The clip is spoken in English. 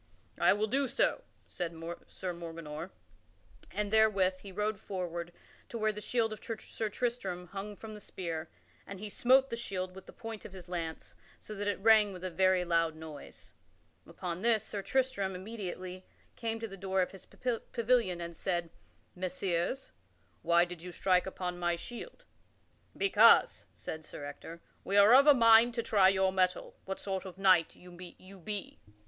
"I will do so," said Sir Morganor; and therewith he rode forward to where the shield of Sir Tristram hung from the spear, and he smote the shield with the point of his lance, so that it rang with a very loud noise. Upon this, Sir Tristram immediately came to the door of his pavilion, and said, "Messires, why did you strike upon my shield?" "Because," said Sir Ector, "we are of a mind to try your mettle what sort of a knight you be."